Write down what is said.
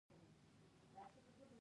مرکه باید د انساني حرمت نښه وي.